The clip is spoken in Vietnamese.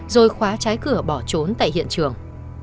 rồi khóa trái cửa bỏ trốn tại hiện trường